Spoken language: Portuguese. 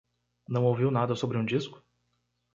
Não ouviu nada sobre um disco?